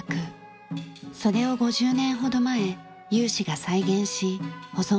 それを５０年ほど前有志が再現し保存に努めてきました。